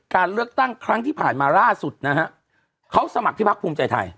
การเลือกตั้งครั้งที่ผ่านมาล่าสุดนะฮะเขาสมัครที่พักภูมิใจไทย